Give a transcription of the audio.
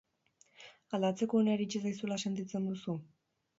Aldatzeko unea iritsi zaizula sentitzen duzu?